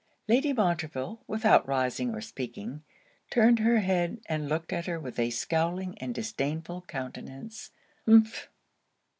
Lady Montreville, without rising or speaking, turned her head, and looked at her with a scowling and disdainful countenance. 'Humph!'